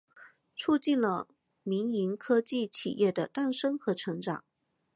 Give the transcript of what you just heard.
促进了民营科技企业的诞生和成长。